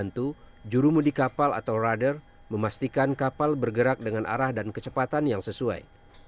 tentu jurumudi kapal atau ruder memastikan kapal bergerak dengan arah dan kecepatan yang sesuai